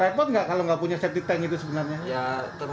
repot nggak kalau nggak punya septic tank itu sebenarnya